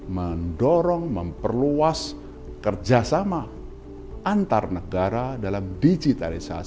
mendorong memperluas kerjasama antarnegara dalam digitalisasi